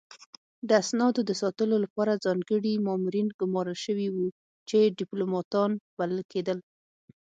د اسنادو د ساتلو لپاره ځانګړي مامورین ګمارل شوي وو چې ډیپلوماتان بلل کېدل